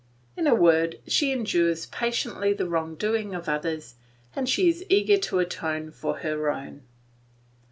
In a word, she endures patiently the wrong doing of others, and she is eager to atone for her own.